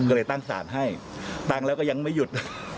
ก็เลยตั้งสารให้ตั้งแล้วก็ยังไม่หยุด